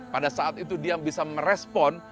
pada saat itu dia bisa merespon